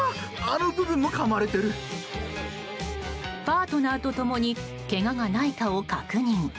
パートナーと共にけががないかを確認。